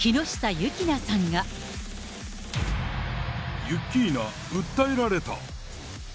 ユッキーナ、訴えられた。